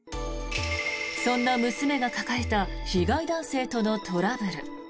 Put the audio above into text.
そんな娘が抱えた被害男性とのトラブル。